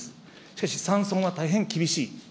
しかし、山村が大変厳しい。